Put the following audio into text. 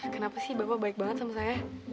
kenapa sih bapak baik banget sama saya